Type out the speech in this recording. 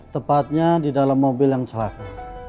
tepatnya di dalam mobil yang celaka